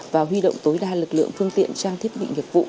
và huy động tối đa lực lượng phương tiện trang thiết bị nghiệp vụ